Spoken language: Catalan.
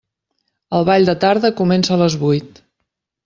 El ball de tarda comença a les vuit.